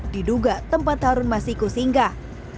diduga tempat harun masiku singgah